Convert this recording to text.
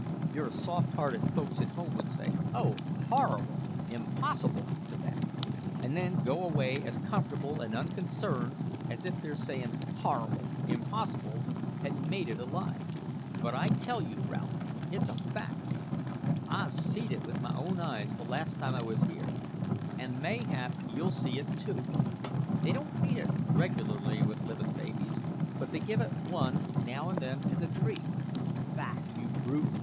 "Your soft hearted folk at home would say, `Oh, horrible! Impossible!' to that, and then go away as comfortable and unconcerned as if their sayin' `Horrible! impossible!' had made it a lie. But I tell you, Ralph, it's a fact. I've seed it with my own eyes the last time I was here; an' mayhap, if you stop awhile at this accursed place and keep a sharp lookout, you'll see it too. They don't feed it regularly with livin' babies, but they give it one now and then as a treat. Bah, you brute!"